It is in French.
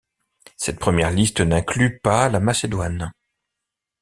Cette première liste n'inclut pas la Macédoine.